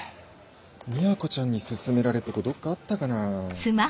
美和子ちゃんに薦められるとこどっかあったかな？